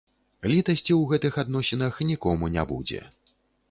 Літасці ў гэтых адносінах нікому не будзе.